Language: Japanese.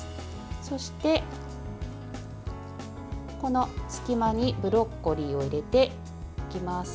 そして、この隙間にブロッコリーを入れていきます。